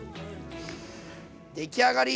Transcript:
出来上がり！